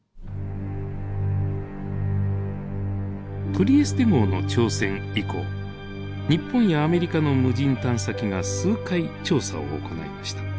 トリエステ号の挑戦以降日本やアメリカの無人探査機が数回調査を行いました。